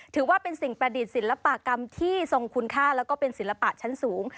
ถือว่าเป็นสิ่งประดิษฐ์ศิลปกรรมที่ทรงคุณค่าแล้วก็เป็นศิลปะชั้นสูง